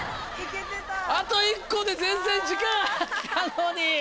あと１個で全然時間あったのに！